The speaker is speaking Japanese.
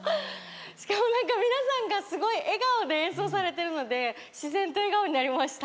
しかも、皆さんがすごい笑顔で演奏されているので自然と笑顔になりました。